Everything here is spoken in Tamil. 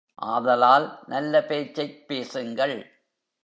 ஆதலால் நல்ல பேச்சைப் பேசுங்கள்.